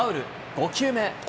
５球目。